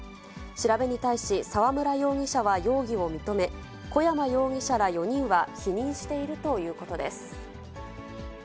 調べに対し沢村容疑者は容疑を認め、小山容疑者ら４人は否認しているということです。